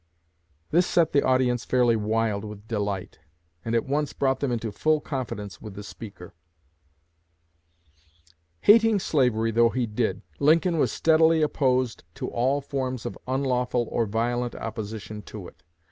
"' This set the audience fairly wild with delight, and at once brought them into full confidence with the speaker." Hating slavery though he did, Lincoln was steadily opposed to all forms of unlawful or violent opposition to it.